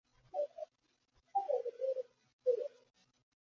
Therefore, Polydectes hatched a plot to get him out of the way.